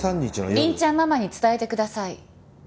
凛ちゃんママに伝えてください。